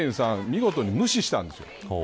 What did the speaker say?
見事に無視したんです。